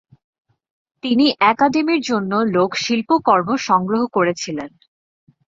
তিনি একাডেমির জন্য লোক শিল্পকর্ম সংগ্রহ করেছিলেন।